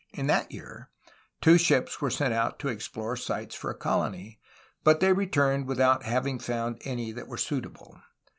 In that year two ships were sent out to explore sites for a colony, but they returned without having found any that were suitable.